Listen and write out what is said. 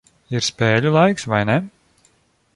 Ir spēļu laiks, vai ne?